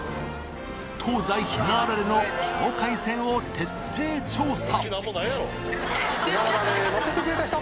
東西ひなあられの境界線を徹底調査！